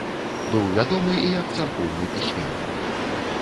Быў вядомы і як царкоўны пісьменнік.